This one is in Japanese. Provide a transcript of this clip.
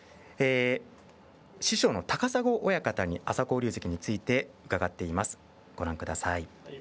師匠の高砂親方に朝紅龍関について伺っています。